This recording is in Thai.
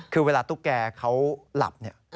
คือเวลาตุ๊กแกเขาหลับเนี่ย